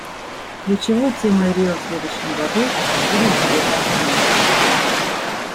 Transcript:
Ключевой темой Рио в следующем году будет «зеленая экономика».